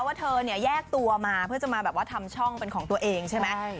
ว่าเธอเนี่ยแยกตัวมาเพื่อจะมาแบบว่าทำช่องเป็นของตัวเองใช่ไหม